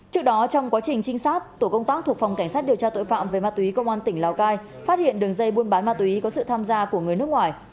trước đó trong quá trình trinh sát tổ công tác thuộc phòng cảnh sát điều tra tội phạm về ma túy công an tỉnh lào cai phát hiện đường dây buôn bán ma túy có sự tham gia của người nước ngoài